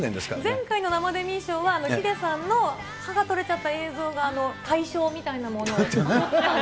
前回の生デミー賞はヒデさんの歯が取れちゃった映像が大賞み大賞をね。